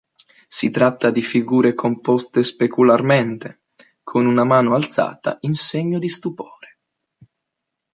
Si tratta di figure composte specularmente, con una mano alzata in segno di stupore.